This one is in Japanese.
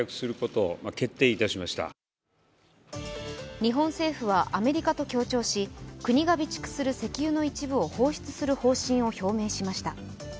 日本政府はアメリカと協調し国が備蓄する石油の一部を放出する方針を示しました。